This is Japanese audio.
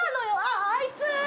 あいつ！